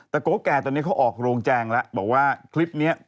แต่โกแก่ตอนนี้เขาออกโรงแจงแล้วบอกว่าคลิปนี้